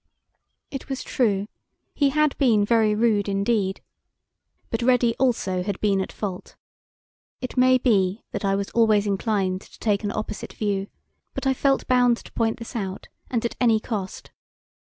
It was true. He had been very rude indeed. But Ready also had been at fault. It may be that I was always inclined to take an opposite view, but I felt bound to point this out, and at any cost.